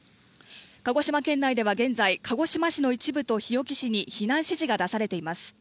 鹿児島県内では現在、鹿児島市の一部と日置市に避難指示が出されています。